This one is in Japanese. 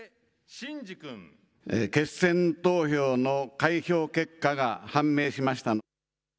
決選投票の開票結果が判明しました。